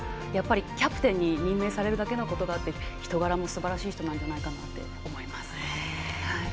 キャプテンに任命されるだけのことがあって人柄もすばらしい人なんじゃないかなと思います。